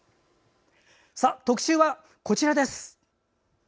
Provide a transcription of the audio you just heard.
特集はこちらです。